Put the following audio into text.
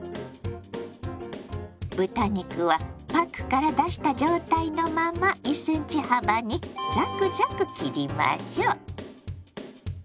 豚肉はパックから出した状態のまま１ｃｍ幅にザクザク切りましょう。